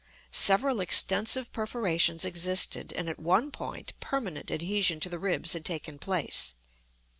Several extensive perforations existed; and, at one point, permanent adhesion to the ribs had taken place.